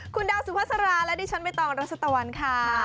คุณดาวสุภาษาราและดิฉันใบตองรัชตะวันค่ะ